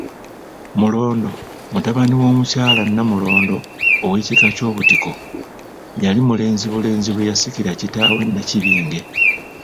MULONDO mutabani w'Omukyala Nnamulondo ow'ekika ky'Obutiko, yali mulenzi bulenzi bwe yasikira kitaawe Nnakibinge.